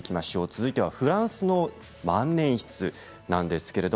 続いてはフランスの万年筆です。